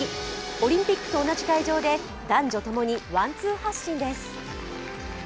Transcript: オリンピックと同じ会場で男女ともにワンツー発進です。